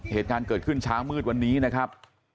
เหตุการณ์เกิดขึ้นเช้ามืดวันนี้นะครับ